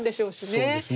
そうですね。